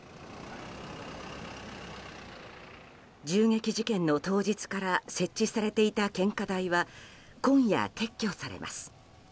銃撃事件の当日から設置されていた献花台は今夜、撤去されます。